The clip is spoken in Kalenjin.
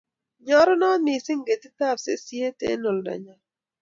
Nyorunot mising ketitab sesiet eng' oldo nyo